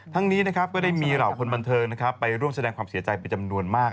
นี้นะครับก็ได้มีเหล่าคนบันเทิงไปร่วมแสดงความเสียใจเป็นจำนวนมาก